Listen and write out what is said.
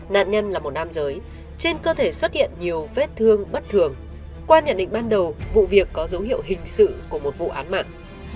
nạn nhân là một nam giới trên cơ thể xuất hiện nhiều vết thương bất thường qua nhận định ban đầu vụ việc có dấu hiệu hình sự của một vụ án mạng